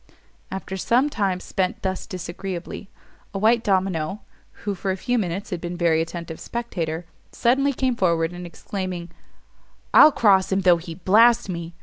After some time spent thus disagreeably, a white domino, who for a few minutes had been a very attentive spectator, suddenly came forward, and exclaiming, "_I'll cross him though he blast me!